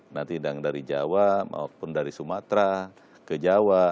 nanti yang dari jawa maupun dari sumatera ke jawa